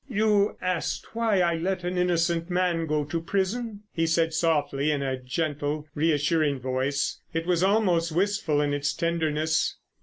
"You asked why I let an innocent man go to prison?" he said softly, in a gentle, reassuring voice. It was almost wistful in its tenderness.